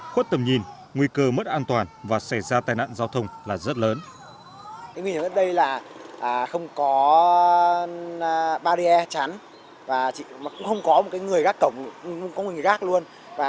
khuất tầm nhìn nguy cơ mất an toàn và xảy ra tai nạn giao thông là rất lớn